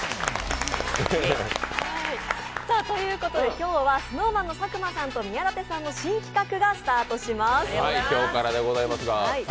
今日はＳｎｏｗＭａｎの佐久間さんと宮舘さんの新企画がスタートします。